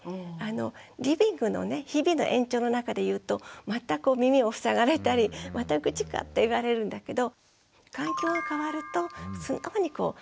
リビングのね日々の延長の中で言うと全く耳を塞がれたりまた愚痴かって言われるんだけど環境が変わると素直に聞けたって。